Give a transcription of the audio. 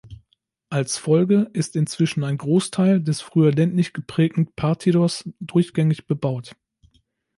Als Folge ist inzwischen ein Großteil des früher ländlich geprägten Partidos durchgängig bebaut.